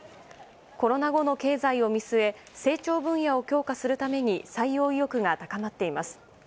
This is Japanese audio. コロナ後の経済を見据え成長分野を強化するために採用意欲が高まっています。